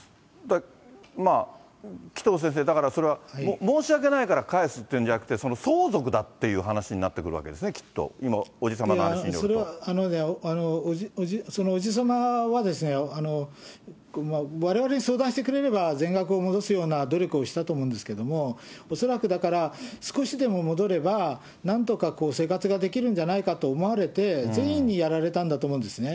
紀藤先生、だからそれは申し訳ないから返すっていうんじゃなくて、相続だっていう話になってくるわけですね、きっと、伯父様の話にそれは、その伯父様は、われわれに相談してくれれば全額を戻すような努力をしたと思うんですけれども、恐らく、だから少しでも戻れば、なんとか生活ができるんじゃないかと思われて、善意でやられたと思うんですね。